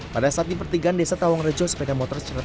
pada saat dipertigaan desa tawangrejo sepeda motor secara tipis